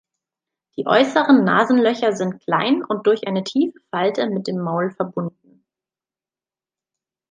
Die äußeren Nasenlöcher sind klein und durch eine tiefe Falte mit dem Maul verbunden.